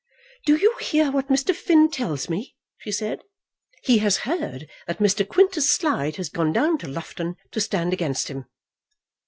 "Do you hear what Mr. Finn tells me?" she said. "He has heard that Mr. Quintus Slide has gone down to Loughton to stand against him."